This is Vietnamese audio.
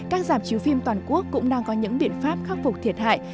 các giảm chiếu phim toàn quốc cũng đang có những biện pháp khắc phục thiệt hại